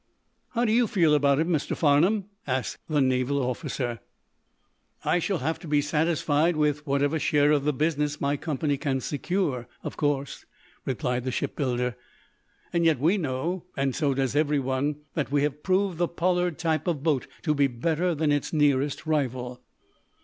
"How do you feel about it, Mr. Farnum?" asked the naval officer. "I shall have to be satisfied with whatever share of the business my company can secure, of course," replied the shipbuilder. "Yet we know, and so does everyone, that we have proved the Pollard type of boat to be better than its nearest rival."